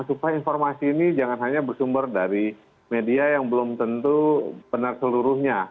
supaya informasi ini jangan hanya bersumber dari media yang belum tentu benar seluruhnya